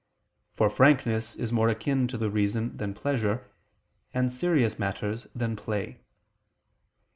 For frankness is more akin to the reason than pleasure, and serious matters than play.